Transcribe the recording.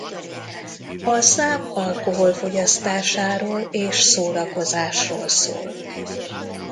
A szám alkohol fogyasztásáról és szórakozásról szól.